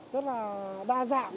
thì rất là đa dạng